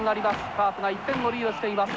カープが１点をリードしています。